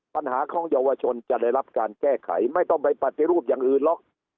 ปัญหาของเยาวชนจะได้รับการแก้ไขไม่ต้องไปปฏิรูปอย่างอื่นหรอก